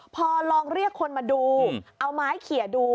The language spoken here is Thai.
พอลองเรียกคนมาดูเอาไม้เขียดู